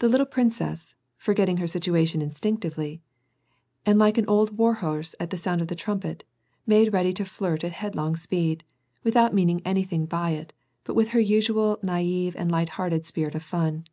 The little princess (forgetting her situation instinctively), and like an old war horse at the sound of the trumpet, made ready to flirt at headlong speed, without meaning anything by it, but with her usual naive and light hearted spirit of fun.